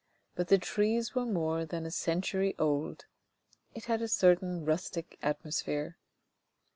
But the trees were more than a century old. It had a certain rustic atmosphere.